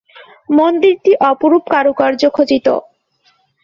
মন্দিরটি অপরূপ কারুকার্য খচিত।